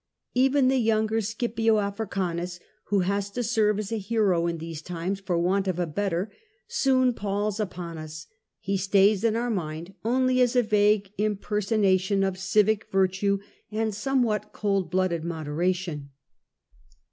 Even the younger Scipio Africanus, who has to serve as a hero in these times for want of a better, soon palls upon us ; he stays in our mind only as a vague impersonation of civic virtue and somewhat cold blooded moderation.